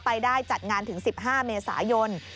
ไปได้จัดงานถึง๑๕เมษายน